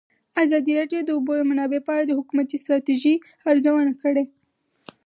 ازادي راډیو د د اوبو منابع په اړه د حکومتي ستراتیژۍ ارزونه کړې.